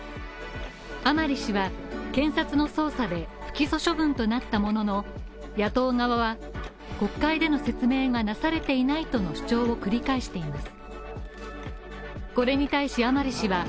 甘利氏は検察の捜査で不起訴処分となったものの、野党側は国会での説明がなされていないとの主張を繰り返しています。